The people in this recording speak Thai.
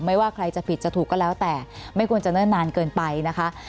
ว่าใครจะผิดจะถูกก็แล้วแต่ไม่ควรจะเนิ่นนานเกินไปนะคะ